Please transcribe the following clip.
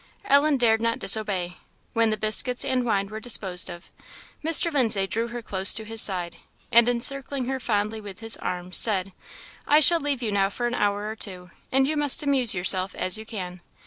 Ellen dared not disobey. When the biscuits and wine were disposed of, Mr. Lindsay drew her close to his side, and encircling her fondly with his arms, said "I shall leave you now for an hour or two, and you must amuse yourself as you can.